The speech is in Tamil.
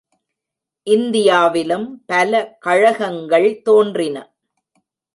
இந்தியாவிலும் பல கழகங்கள் தோன்றின.